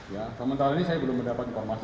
ya sementara ini saya belum mendapat informasi